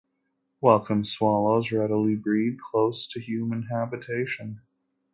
Welcome swallows readily breed close to human habitation.